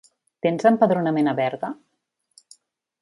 Tens empadronament a Berga?